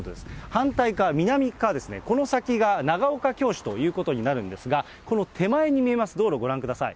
反対側、南側ですね、この先がながおかきょう市ということになるんですが、この手前に見えます道路、ご覧ください。